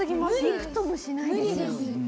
びくともしないです。